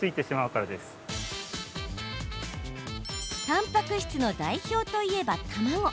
たんぱく質の代表といえば卵。